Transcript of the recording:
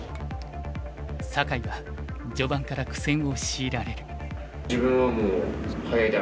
酒井は序盤から苦戦を強いられる。